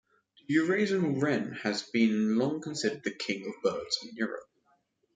The Eurasian wren has been long considered "the king of birds" in Europe.